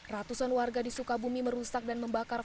ratusan warga di sukabumi merusak dan membakar